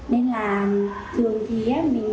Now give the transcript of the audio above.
nên là thường thì mình